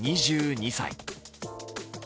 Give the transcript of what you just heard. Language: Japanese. ２２歳。